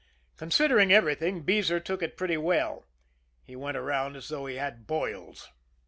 Considering everything, Beezer took it pretty well he went around as though he had boils.